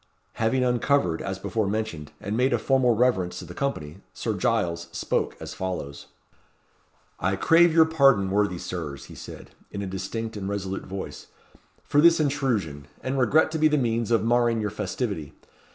Having uncovered, as before mentioned, and made a formal reverence to the company, Sir Giles spoke as follows: "I crave your pardon, worthy Sirs," he said, in a distinct and resolute voice, "for this intrusion, and regret to be the means of marring your festivity.